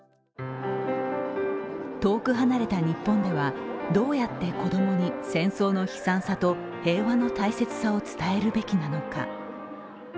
遠く離れた日本ではどうやって子供に戦争の悲惨さと平和の大切さを伝えるべきなのか。